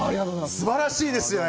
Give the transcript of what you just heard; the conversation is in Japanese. すばらしいですね。